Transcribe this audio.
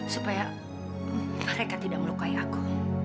supaya mereka tidak melukai aku